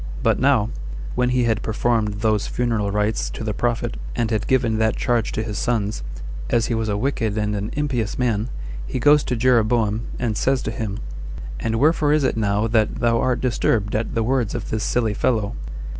But now, when he had performed those funeral rites to the prophet, and had given that charge to his sons, as he was a wicked and an impious man, he goes to Jeroboam, and says to him, "And wherefore is it now that thou art disturbed at the words of this silly fellow?"